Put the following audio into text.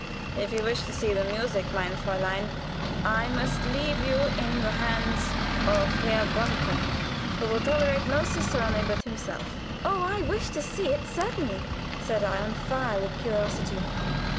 "If you wish to see the music, mein Fräulein, I must leave you in the hands of Herr Brunken, who will tolerate no cicerone but himself." "Oh, I wish to see it certainly," said I, on fire with curiosity.